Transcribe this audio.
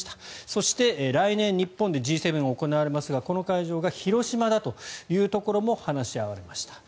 そして、来年日本でＧ７が行われますがこの会場が広島だということも話し合われました。